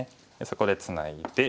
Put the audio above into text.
そこでツナいで。